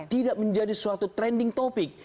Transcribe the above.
tidak menjadi suatu trending topic